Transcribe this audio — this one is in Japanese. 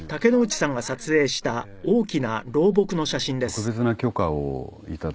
特別な許可をいただいて。